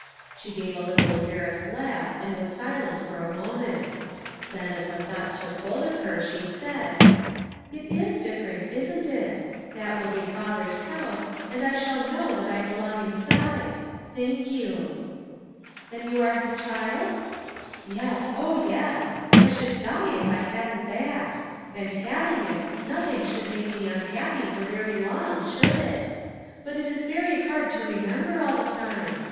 She gave a little embarrassed laugh and was silent for a mo ment; then, as the thought took hold of her she said: "It is different, isn't it? That will be Father's house and I shall know that I belong inside; thank you." "Then you are His child !" "Yes, oh, yes ! I should die if I hadn't that ; and having it nothing should make me unhappy for very long, should it? But it is very hard 94 FOUR MOTHERS AT CHAUTAUQUA to remember all the time.